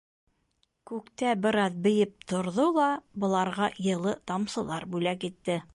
Күктә бер аҙ бейеп торҙо ла быларға йылы тамсылар бүләк итте.